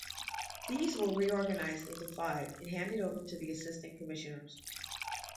These were reorganised into five and handed over to the assistant commissioners.